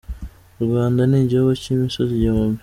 U Rwanda ni igihugu cy'imisozi igihumbi.